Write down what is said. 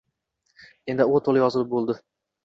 Endi u to’la yozilib bo’ldi.